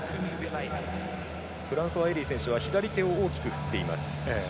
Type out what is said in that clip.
フランソワエリー選手は左手を大きく振っています。